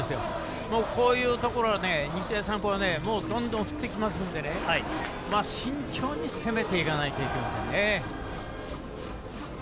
こういうところは日大三高はもうどんどん振ってきますので慎重に攻めていかないといけませんね。